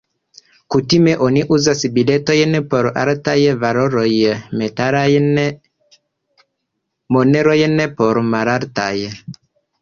Kutime oni uzas biletojn por altaj valoroj, metalajn monerojn por malaltaj.